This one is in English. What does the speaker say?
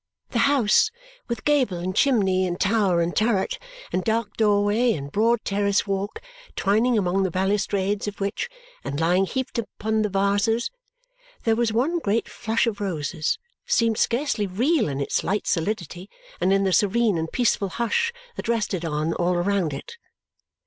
The house, with gable and chimney, and tower, and turret, and dark doorway, and broad terrace walk, twining among the balustrades of which, and lying heaped upon the vases, there was one great flush of roses, seemed scarcely real in its light solidity and in the serene and peaceful hush that rested on all around it.